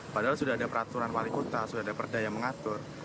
padahal sudah ada peraturan wali kota sudah ada perda yang mengatur